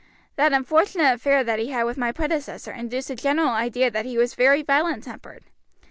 That unfortunate affair that he had with my predecessor induced a general idea that he was very violent tempered.